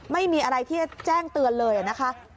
ไม่มีอะไรที่จะแจ้งเตือนเลยนะคะ